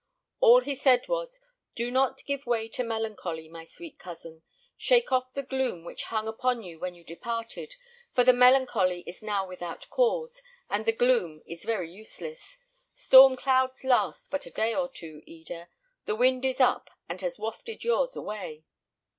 All he said was, "Do not give way to melancholy, my sweet cousin. Shake off the gloom which hung upon you when you departed, for the melancholy is now without cause, and the gloom is very useless. Storm clouds last but a day or two, Eda; the wind is up, and has wafted yours away."